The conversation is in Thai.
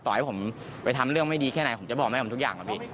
ให้ผมไปทำเรื่องไม่ดีแค่ไหนผมจะบอกแม่ผมทุกอย่างครับพี่